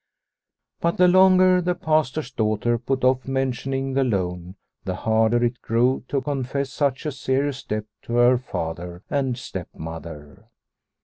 But the longer the Pastor's daughter put off mentioning the loan, the harder it grew to confess such a serious debt to her father and stepmother.